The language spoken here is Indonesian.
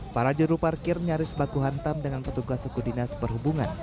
para juru parkir nyaris baku hantam dengan petugas suku dinas perhubungan